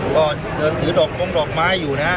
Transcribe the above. ก็เดินถือดอกมงดอกไม้อยู่นะฮะ